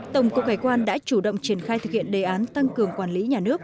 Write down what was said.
tổng cục hải quan đã chủ động triển khai thực hiện đề án tăng cường quản lý nhà nước